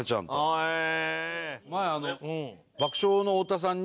へえ。